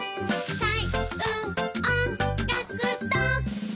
はい